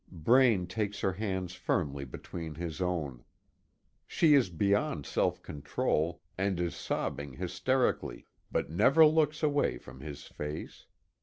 Braine takes her hands firmly between his own. She is beyond self control, and is sobbing hysterically, but never looks away from his face.